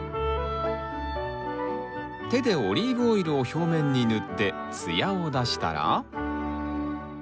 手でオリーブオイルを表面に塗って艶を出したら。